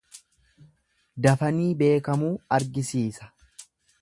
Dafanii beekamuu argisiisa.